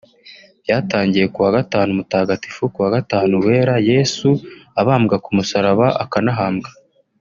Byatangiye kuwa gatanu mutagatifu (kuwa gatanu wera) Yesu abambwa ku musaraba akanahambwa